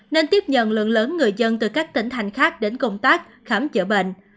nên tiếp nhận lượng lớn người dân từ các tỉnh thành khác đến công tác khám chữa bệnh